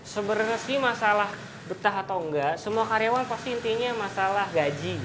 sebenarnya sih masalah betah atau enggak semua karyawan pasti intinya masalah gaji